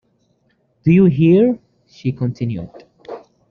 'Do you hear?’ she continued.